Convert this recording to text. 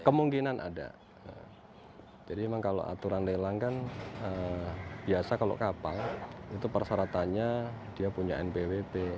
kemungkinan ada jadi memang kalau aturan lelang kan biasa kalau kapal itu persyaratannya dia punya npwp